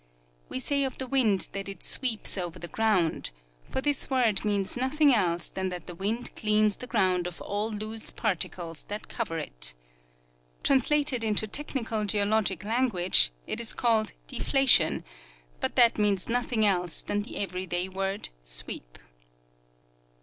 We say of the wind that it " sweeps " over the gr.ound ; for this word means nothing else than that the wind cleans the ground of all loose particles that cover it. Translated into technical geologic lan guage, it is called " deflation," but that means nothing else than the every day word "sweep."